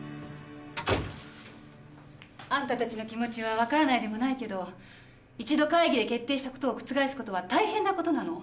あんたたちの気持ちは分からないでもないけど一度会議で決定したことを覆すことは大変なことなの。